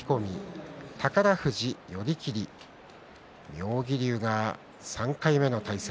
妙義龍が３回目の対戦。